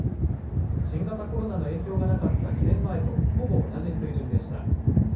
新型コロナの影響がなかった２年前とほぼ同じ水準でした。